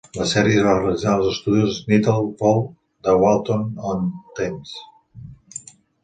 La sèrie es va realitzar als estudis Nettlefold de Walton-on-Thames.